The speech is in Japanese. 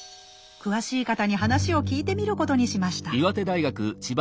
詳しい方に話を聞いてみることにしました。